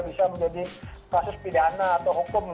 bisa menjadi kasus pidana atau hukum